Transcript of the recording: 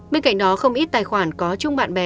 bên cạnh đó không ít tài khoản có chung bạn bè